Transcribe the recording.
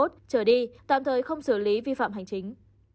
trở đi tạm thời không xử lý vi phạm hành chính